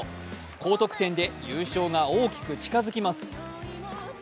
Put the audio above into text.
高得点で優勝が大きく近づきます。